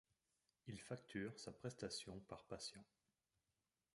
Il facture sa prestation par patient.